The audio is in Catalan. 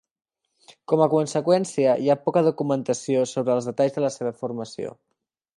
Com a conseqüència, hi ha poca documentació sobre els detalls de la seva formació.